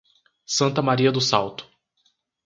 Santa Maria do Salto